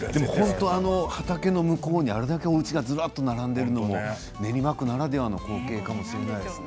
畑の向こうにあれだけおうちがずらっと並んでいるのも練馬区ならではの光景かもしれないですね。